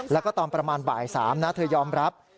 แล้วก็ตอนประมาณบ่าย๓นะเธอยอมรับ